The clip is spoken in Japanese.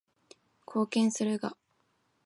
貢献するが